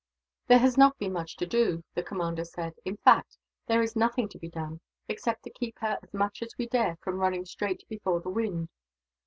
"There has not been much to do," the commander said. "In fact, there is nothing to be done, except to keep her as much as we dare from running straight before the wind.